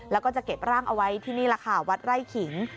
แล้วก็จะเก็บร่างเอาไว้ที่นี่แหละค่ะวัดไร่ขิง